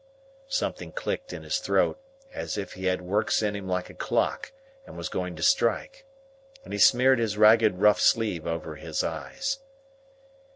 Something clicked in his throat as if he had works in him like a clock, and was going to strike. And he smeared his ragged rough sleeve over his eyes.